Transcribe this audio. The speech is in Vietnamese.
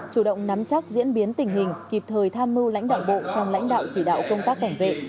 chủ động nắm chắc diễn biến tình hình kịp thời tham mưu lãnh đạo bộ trong lãnh đạo chỉ đạo công tác cảnh vệ